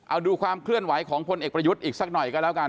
เอาดูความเคลื่อนไหวของพลเอกประยุทธ์อีกสักหน่อยก็แล้วกัน